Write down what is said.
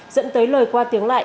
dẫn tới lời qua tiếng lại